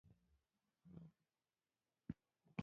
کور د ځان لپاره غوره دنیا ده.